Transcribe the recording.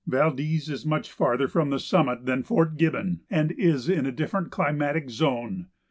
Valdez is much farther from the summit than Fort Gibbon and is in a different climatic zone.